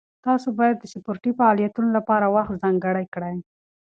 تاسو باید د سپورټي فعالیتونو لپاره وخت ځانګړی کړئ.